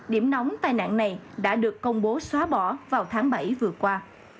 điểm nóng tai nạn này đã được công bố xóa bỏ vào tháng bảy vừa qua